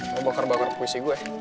mau bakar bakar puisi gue